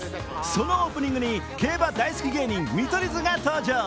そのオープニングに競馬大好き芸人、見取り図が登場。